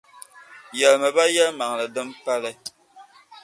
Yεlimi ba yεlimaŋli din pali.